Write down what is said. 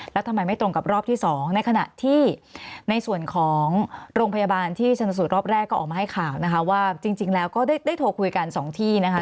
แล้วทำไมไม่ตรงกับรอบที่๒ในขณะที่ในส่วนของโรงพยาบาลที่ชนสูตรรอบแรกก็ออกมาให้ข่าวนะคะว่าจริงแล้วก็ได้โทรคุยกัน๒ที่นะคะ